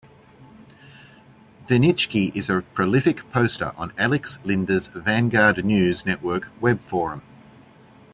Winnicki is a prolific poster on Alex Linder's Vanguard News Network web forum.